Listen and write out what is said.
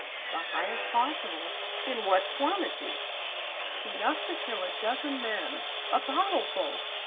"The highest possible." "In what quantity?" "Enough to kill a dozen men. A bottleful."